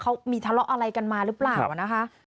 เขามีทะเลาะอะไรกันมาหรือเปล่านะคะ